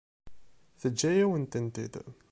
Teǧǧa-yawen-tent-id.